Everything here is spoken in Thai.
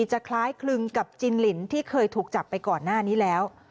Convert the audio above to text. จะคล้ายคลึงกับจินลินที่เคยถูกจับไปก่อนหน้านี้แล้ว